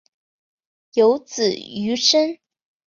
有子俞深。